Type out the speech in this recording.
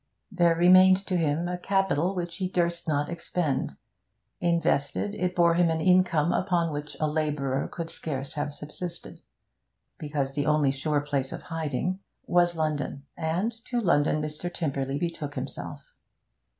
There remained to him a capital which he durst not expend; invested, it bore him an income upon which a labourer could scarce have subsisted. The only possible place of residence because the only sure place of hiding was London, and to London Mr. Tymperley betook himself.